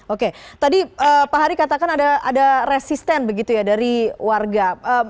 oke tadi pak hari katakan ada resisten begitu ya dari warga